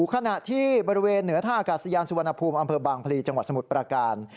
ขณะที่บริเวณเหนือท่าอากาศยานสุวรรณภูมิอำเภอบางพลีจังหวัดสมุทรประการ